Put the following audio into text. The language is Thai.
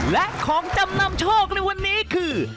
และของจำนำโชคในวันนี้คือ